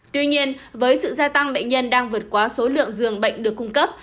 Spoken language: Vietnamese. tuy nhiên với sự gia tăng bệnh nhân đang vượt qua số lượng dường bệnh được cung cấp